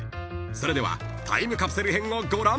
［それではタイムカプセル編をご覧ください］